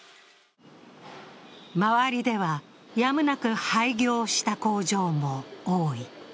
周りでは、やむなく廃業した工場も多い。